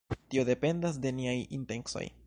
Tio dependas de niaj intencoj.